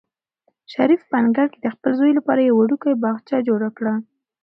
شریف په انګړ کې د خپل زوی لپاره یو وړوکی باغچه جوړه کړه.